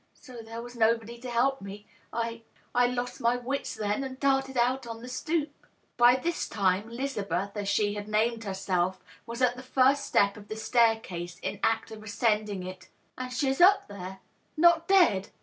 So there was nobody but me. I — I lost my wits, then, and darted out on the stoop. •/' By this time 'Lizabeth, as she had named herself, was at the first step of the stair case, in act of ascending it. " And she's up there, not dead